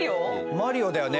マリオだよね。